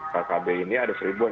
kkb ini ada seribuan